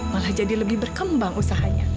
malah jadi lebih berkembang usahanya